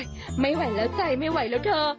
ไม่ไหวแล้วใจไม่ไหวแล้วเธอ